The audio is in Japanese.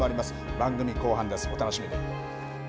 番組後半です、お楽しみに。